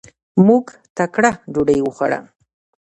مونږ ټکله ډوډي وخوړله.